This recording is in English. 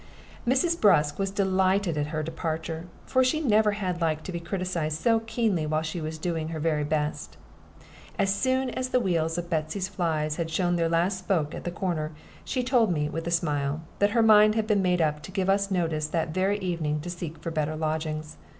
Mrs. Busk was delighted at her departure, for she never had liked to be criticised so keenly while she was doing her very best. And as soon as the wheels of Betsy's fly had shown their last spoke at the corner, she told me, with a smile, that her mind had been made up to give us notice that very evening to seek for better lodgings.